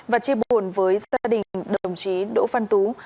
và chia buồn với gia đình đồng chí đỗ văn tú